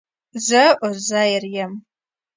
زه عزير يم